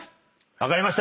分かりました。